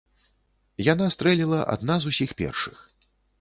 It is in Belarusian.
Яна стрэліла адна з усіх першых.